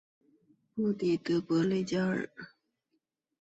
布迪德博雷加尔。